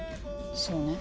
そうね。